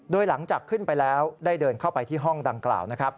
โดยหลังจากขึ้นไปแล้วได้เดินเข้าไปที่ห้องดังกล่าวนะครับ